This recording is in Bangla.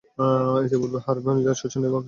ইতোপূর্বে হাওয়াযিনরাও শোচনীয়ভাবে পিছু হটেছিল।